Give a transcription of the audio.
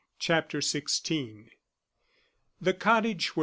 CHAPTER XVI The cottage where M.